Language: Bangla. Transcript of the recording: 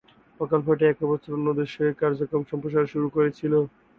প্রকল্পটি একই বছর অন্য দেশেও এর কার্যক্রম সম্প্রসারণ শুরু করেছিল।